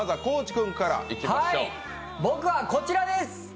僕はこちらです！